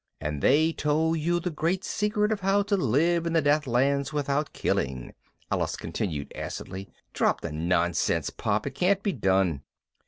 "And they told you the great secret of how to live in the Deathlands without killing," Alice continued acidly. "Drop the nonsense, Pop. It can't be done."